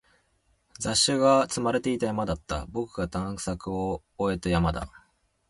雑誌が積まれていた山だった。僕が探索を終えた山だ。